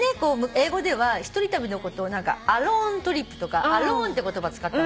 英語では一人旅のことをアローントリップとかアローンって言葉使った。